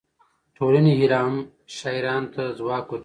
ټولنې الهام شاعرانو ته ځواک ورکوي.